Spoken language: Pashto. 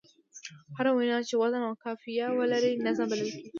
هره وينا چي وزن او قافیه ولري؛ نظم بلل کېږي.